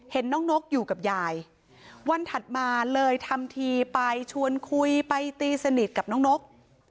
เห็นน้องนกอยู่กับยายวันถัดมาเลยทำทีไปชวนคุยไปตีสนิทกับน้องนก